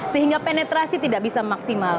sehingga penetrasi tidak bisa maksimal